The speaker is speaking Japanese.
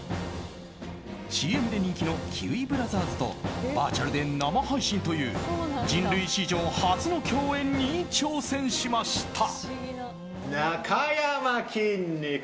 ＣＭで人気のキウイブラザーズとバーチャルで生配信という人類史上初の共演に挑戦しました。